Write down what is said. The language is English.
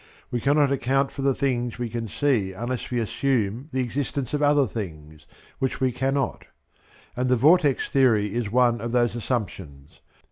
We cannot account for the things that we can see unless we assume the existence of other things which we cannot; and the "vortex theory" is one of these assumptions.